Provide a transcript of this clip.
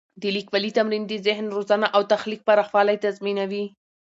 د لیکوالي تمرین د ذهن روزنه او د تخلیق پراخوالی تضمینوي.